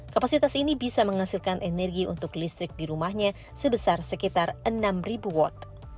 kapasitas ini bisa menghasilkan energi untuk listrik di rumahnya sebesar sekitar enam ribu watt